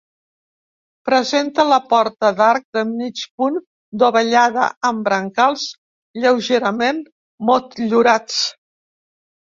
Presenta la porta d'arc de mig punt dovellada amb brancals lleugerament motllurats.